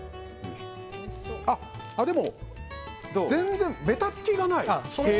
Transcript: でも、全然べたつきがない。